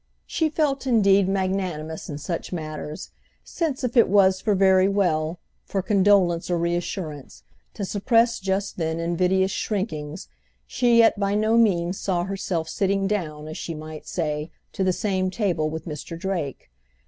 She felt indeed magnanimous in such matters; since if it was very well, for condolence or reassurance, to suppress just then invidious shrinkings, she yet by no means saw herself sitting down, as she might say, to the same table with Mr. Drake.